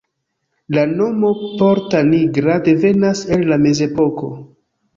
La nomo "Porta Nigra" devenas el la mezepoko.